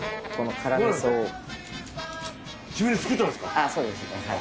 あぁそうですね。